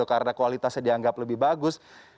karena kualitasnya dianggap lebih bagus